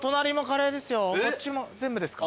こっちも全部ですか？